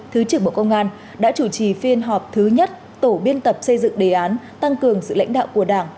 thứ trưởng bộ công an đã chủ trì phiên họp thứ nhất tổ biên tập xây dựng đề án tăng cường sự lãnh đạo của đảng